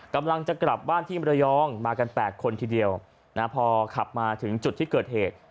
กำลังจะกลับบ้านที่มรยองมากัน๘คนทีเดียวนะพอขับมาถึงจุดที่เกิดเหตุ